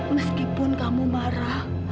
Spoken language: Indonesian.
meskipun kamu marah